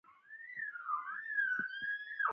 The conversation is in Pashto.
دا خزانې د هغوی د راتلونکي ضمانت دي.